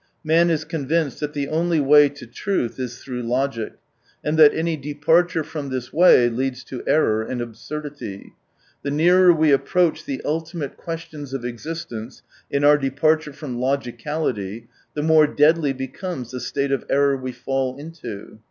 Man is convinced that the only way to truth is through logic, and that any departure from this way leads to error arid absurdity. The nearer we approach the ultimate questions of existence, in our departure from logicality, the more deadly becomes the state of error we fall into.